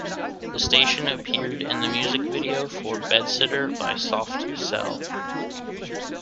The station appeared in the music video for "Bedsitter" by Soft Cell.